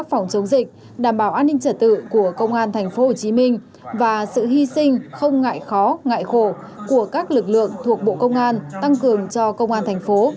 phòng chống dịch đảm bảo an ninh trật tự của công an tp hcm và sự hy sinh không ngại khó ngại khổ của các lực lượng thuộc bộ công an tăng cường cho công an thành phố